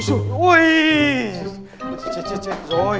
úi dồi ôi